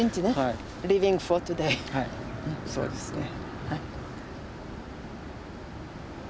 そうですね。